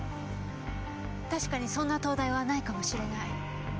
確かにそんな灯台はないかもしれない。